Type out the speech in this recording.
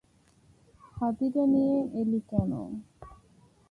হাতিটা নিয়ে এলি কেন?